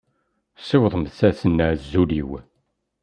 Siwḍemt-asen azul-iw.